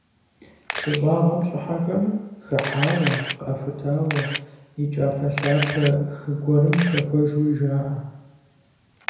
Псы щӏагъым щӏыхьэхэр хыхьауэ, къахутауэ, и кӏапэлъапэ хы гуэрым хэхуэжуи жаӏэ.